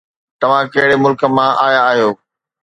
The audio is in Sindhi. توهان ڪهڙي ملڪ مان آيا آهيو؟